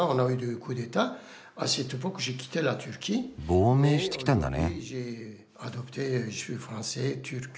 亡命してきたんだね。